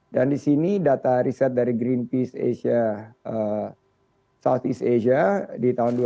dan di sini data riset dari greenpeace asia southeast asia di tahun dua ribu dua puluh sampai dua ribu dua puluh tiga